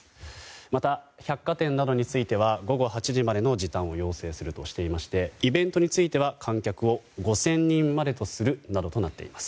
また、百貨店などについては午後８時までの時短を要請するとしていましてイベントについては観客を５０００人までとするなどとなっています。